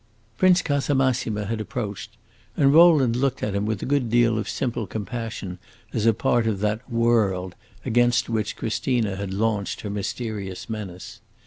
Prince Casamassima had approached, and Rowland looked at him with a good deal of simple compassion as a part of that "world" against which Christina had launched her mysterious menace.